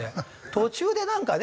途中でなんかね